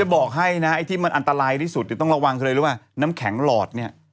ต้องบอกให้นะไอ้ที่มันอันตรายที่สุดต้องระวังเลยว่าน้ำแข็งหลอดเนี่ย